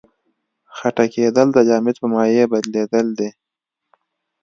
خټکېدل د جامد په مایع بدلیدل دي.